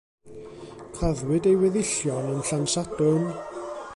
Claddwyd ei weddillion yn Llansadwrn.